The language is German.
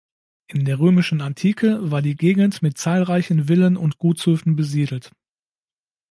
In der römischen Antike war die Gegend mit zahlreichen Villen und Gutshöfen besiedelt.